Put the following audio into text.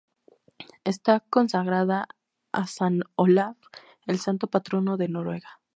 Está consagrada a San Olaf, el santo patrono de Noruega.